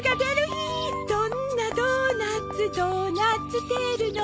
「どんなドーナツどうなってるの」